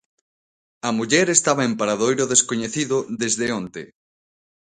A muller estaba en paradoiro descoñecido desde onte.